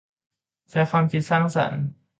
ใช้ความคิดสร้างสรรค์